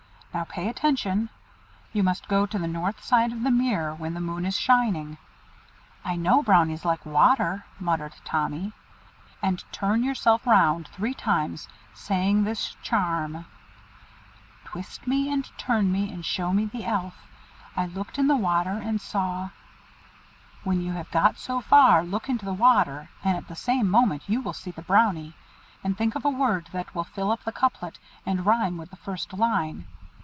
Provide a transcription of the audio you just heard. "Now pay attention. You must go to the north side of the mere when the moon is shining ('I know Brownies like water,' muttered Tommy) and turn yourself round three times, saying this charm: 'Twist me, and turn me, and show me the Elf I looked in the water, and saw ' When you have got so far, look into the water, and at the same moment you will see the Brownie, and think of a word that will fill up the couplet, and rhyme with the first line.